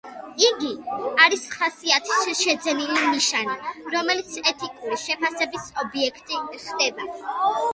იგი არის ხასიათის შეძენილი ნიშანი, რომელიც ეთიკური შეფასების ობიექტი ხდება.